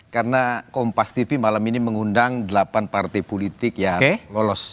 karena kompas tv malam ini mengundang delapan partai politik yang lolos